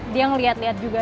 dia ngeliat liat juga